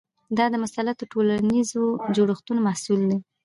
دا د مسلطو ټولنیزو جوړښتونو محصول دی.